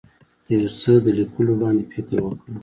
د یو څه د لیکلو وړاندې فکر وکړه.